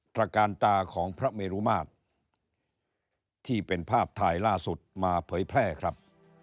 ระการตาของพระเมรุมาตรที่เป็นภาพถ่ายล่าสุดมาเผยแพร่ครับ